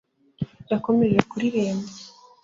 yakomeje kuririmba